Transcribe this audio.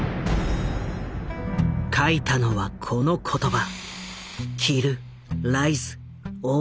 書いたのはこの言葉。